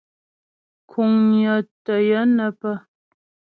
Kuŋnyə tə́ yə nə́ pə́.